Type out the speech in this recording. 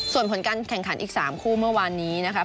ส่วนผลการแข่งขันอีก๓คู่เมื่อวานนี้นะครับ